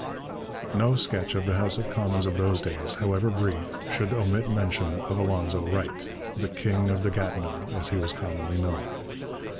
No sketch of the House of Commons of those days, however brief, should omit mention of Alonzo Wright, the 'King of the Gatineau,' as he was commonly known.